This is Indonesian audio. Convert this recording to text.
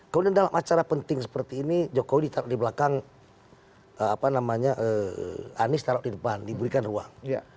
kemudian dalam acara penting seperti ini jokowi ditaruh di belakang anies taruh di depan diberikan ruang